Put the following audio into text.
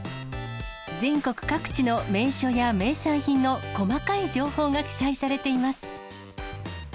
全国各地の名所や名産品の細かい情報が記載されています。